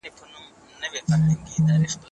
که تعلیمي ویبپاڼه وي نو هیله نه ختمیږي.